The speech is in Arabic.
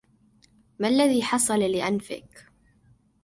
ما الذي حصل لأنفك.